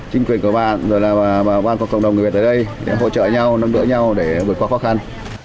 chính quyền của bạn và cộng đồng người việt ở đây để hỗ trợ nhau nâng đỡ nhau để vượt qua khó khăn